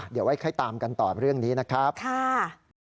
เดี๋ยวไว้ใครตามกันต่อเรื่องนี้นะครับค่ะค่ะ